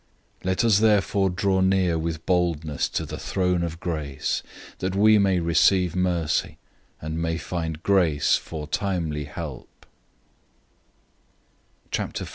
004:016 Let us therefore draw near with boldness to the throne of grace, that we may receive mercy, and may find grace for help in time of need.